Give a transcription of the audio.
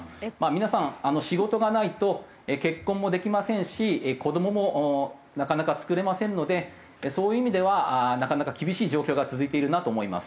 皆さん仕事がないと結婚もできませんし子どももなかなか作れませんのでそういう意味ではなかなか厳しい状況が続いているなと思います。